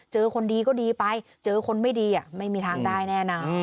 คนดีก็ดีไปเจอคนไม่ดีไม่มีทางได้แน่นอน